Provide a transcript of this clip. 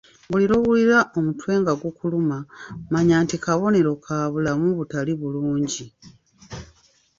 Buli lw'oliwulira omutwe nga gukuluma manya nti kabonero ka bulamu butali bulungi.